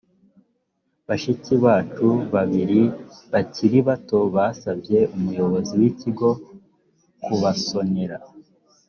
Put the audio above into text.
bashiki bacu babiri bakiri bato basabye umuyobozi w’ikigo kubasonera